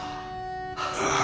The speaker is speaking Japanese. ああ。